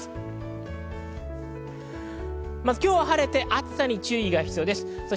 今日は晴れて、暑さに注意が必要です。